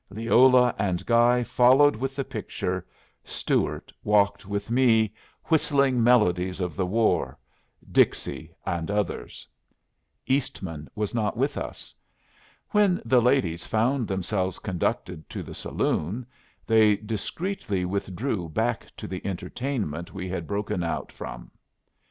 Leola and Guy followed with the picture; Stuart walked with me, whistling melodies of the war Dixie and others. Eastman was not with us. When the ladies found themselves conducted to the saloon, they discreetly withdrew back to the entertainment we had broken out from.